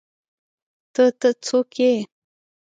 _ته، ته، څوک يې؟